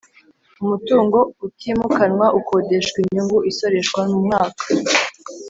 Umutungo utimukanwa ukodeshwa inyungu isoreshwa mumwaka